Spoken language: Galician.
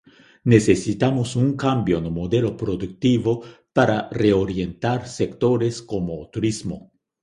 Necesitamos un cambio no modelo produtivo para reorientar sectores como o turismo.